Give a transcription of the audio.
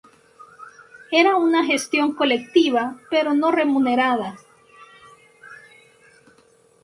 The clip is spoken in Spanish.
Era una gestión colectiva, pero no remunerada.